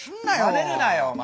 まねるなよお前。